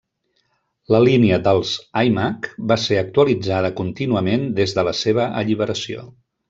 La línia dels iMac va ser actualitzada contínuament des de la seva alliberació.